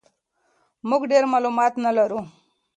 موږ ډېر معلومات نه لرو.